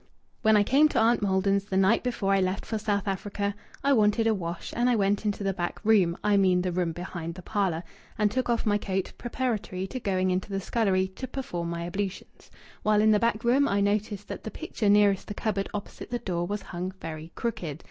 "'When I came to Aunt Maldon's the night before I left for South Africa I wanted a wash, and I went into the back room I mean the room behind the parlour and took off my coat preparatory to going into the scullery to perform my ablutions. While in the back room I noticed that the picture nearest the cupboard opposite the door was hung very crooked.